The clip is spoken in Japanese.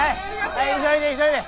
はい急いで急いで。